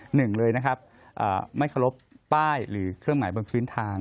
หนึ่งเลยนะครับไม่เคารพป้ายหรือเครื่องหมายบนพื้นทาง